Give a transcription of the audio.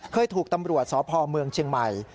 เคยถูกตำรวจสพเมืองเชียงใหม่